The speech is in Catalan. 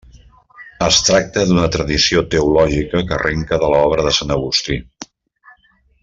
Es tracta d'una tradició teològica que arrenca de l'obra de sant Agustí.